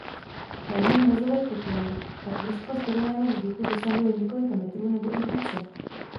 Na dně mrazové kotliny pak vrstva studeného vzduchu dosahuje několika metrů nebo i více.